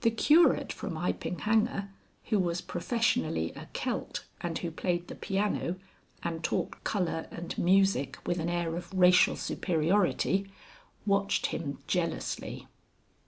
The Curate from Iping Hanger (who was professionally a Kelt and who played the piano and talked colour and music with an air of racial superiority) watched him jealously.